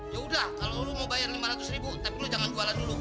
ya udah kalau lo mau bayar lima ratus ribu tapi lo jangan jualan dulu